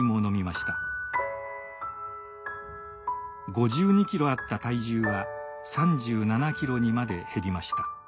５２キロあった体重は３７キロにまで減りました。